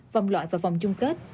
vòng loại và vòng chung kết